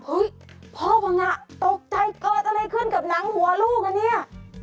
เฮ้ยพ่อบังงะตกใจเกิดอะไรขึ้นกับหนังหัวลูกอันนี้